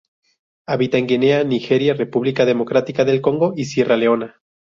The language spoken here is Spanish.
Habita en Guinea, Nigeria, República Democrática del Congo y Sierra Leona.